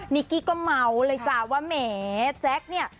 กี้ก็เมาเลยจ้ะว่าแหมแจ๊คเนี่ย